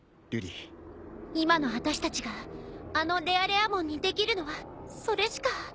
今のあたしたちがあのレアレアモンにできるのはそれしか。